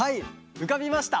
うかびました。